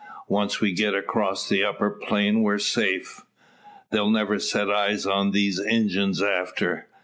Once we get across the upper plain we're safe. They'll never set eyes on these Indyins after.